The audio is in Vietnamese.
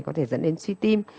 có thể dẫn đến suy tim